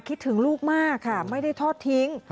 คิดถึงลูกมากค่ะไม่ได้ทอดทิ้ง